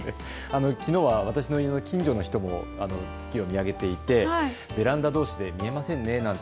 きのうは私の家の近所の人も月を見上げていてベランダどうしで見えませんねなんて